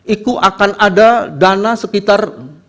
itu akan ada dana sekitar